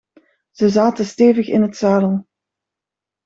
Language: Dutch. Ze zaten stevig in het zadel.